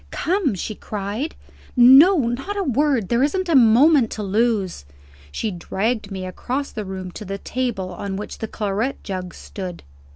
"Come!" she cried. "No! not a word. There isn't a moment to lose." She dragged me across the room to the table on which the claret jug stood.